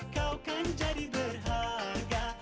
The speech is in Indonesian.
kau kan jadi berharga